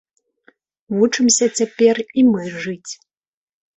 Вучымся цяпер і мы жыць.